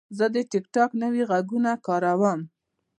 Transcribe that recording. زه د ټک ټاک نوي غږونه کاروم.